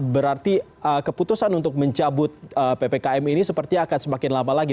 berarti keputusan untuk mencabut ppkm ini sepertinya akan semakin lama lagi